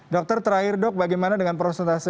dokter terakhir dok bagaimana dengan prosentase